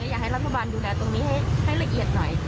อยากให้รัฐบาลดูแลตรงนี้ให้ละเอียดหน่อย